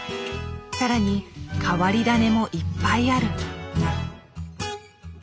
更に変わり種もいっぱいある。